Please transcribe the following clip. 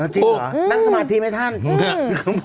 จริงเหรอนั่งสมาธิไหมท่าน